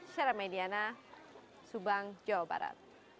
syara mediana subang jawa barat